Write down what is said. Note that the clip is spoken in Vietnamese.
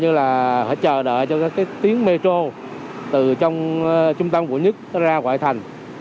chúng ta phải chờ đợi cho cái tiếng metro từ trong trung tâm quận một ra ngoại thành